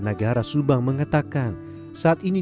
negara subang mengatakan saat ini